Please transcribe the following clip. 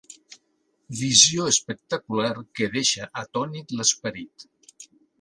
Visió espectacular que deixa atònit l'esperit.